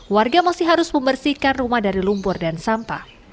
warga masih harus membersihkan rumah dari lumpur dan sampah